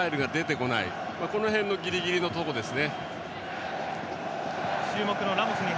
この辺のギリギリのところですね。